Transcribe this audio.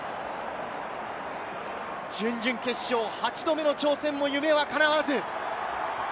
準々決勝８度目の調整も夢はかなわず。